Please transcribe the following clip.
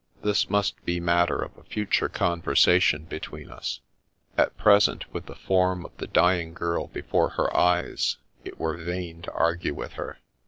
This must be matter of a future conversation between us ; at present, with the form of the dying girl before her eyes, it were vain to argue with her.